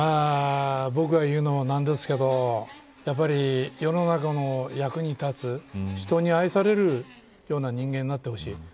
僕が言うのもなんですけどやっぱり世の中の役に立つ人に愛されるような人間になってほしい。